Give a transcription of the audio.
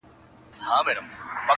سهار چي له خلوته را بهر سې خندا راسي،